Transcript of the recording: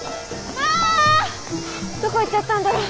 どこ行っちゃったんだろう？